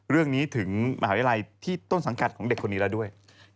เรื่องนี้ถึงมหาวิทยาลัยที่ต้นสังกัดของเด็กคนนี้แล้วด้วย